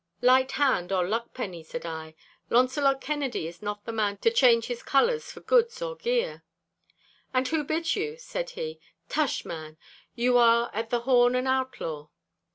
'Light hand or luck penny,' said I, 'Launcelot Kennedy is not the man to change his colours for goods or gear.' 'And who bids you?' said he. 'Tush, man! you are at the horn and outlaw.